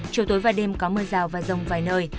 chiều tối và đêm có mưa rào và rông vài nơi